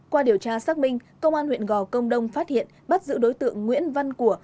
qua điều tra xác minh công an huyện gò công đông phát hiện bắt giữ đối tượng nguyễn văn của